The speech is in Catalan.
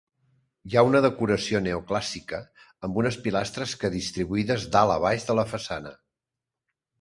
Hi ha decoració neoclàssica amb unes pilastres que distribuïdes dalt a baix de la façana.